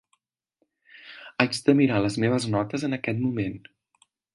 Haig de mirar les meves notes en aquest moment.